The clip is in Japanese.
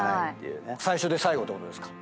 最初で最後ってことですか？